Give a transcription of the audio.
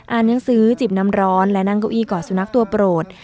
หนังสือจิบน้ำร้อนและนั่งเก้าอี้ก่อสุนัขตัวโปรด